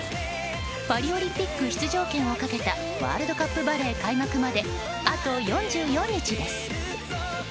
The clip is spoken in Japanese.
パリオオリンピック出場権をかけたワールドカップバレー開幕まであと４４日です。